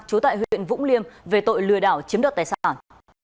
trú tại huyện vũng liêm về tội lừa đảo chiếm đoạt tài sản